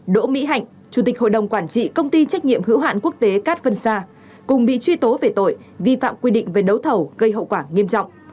đỗ mỹ hạnh chủ tịch hội đồng quản trị công ty trách nhiệm hữu hạn quốc tế cát vân sa cùng bị truy tố về tội vi phạm quy định về đấu thầu gây hậu quả nghiêm trọng